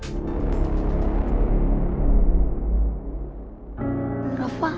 bapak aku takut